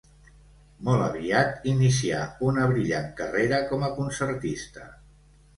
Molt aviat inicià una brillant carrera com a concertista.